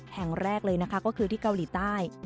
แห่งแรกเลยนะคะก็คือที่เกาหลีใต้